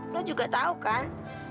lo juga tau kan